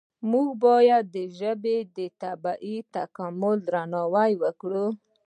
موږ باید د ژبې طبیعي تکامل ته درناوی وکړو.